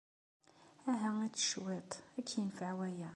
Aha, ečč cwiṭ. Ad k-yenfeɛ waya.